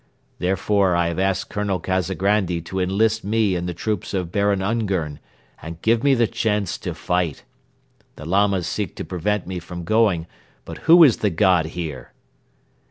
Therefore I have asked Colonel Kazagrandi to enlist me in the troops of Baron Ungern and give me the chance to fight. The Lamas seek to prevent me from going but who is the god here?"